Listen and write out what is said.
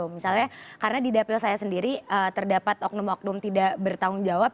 misalnya karena di dapil saya sendiri terdapat oknum oknum tidak bertanggung jawab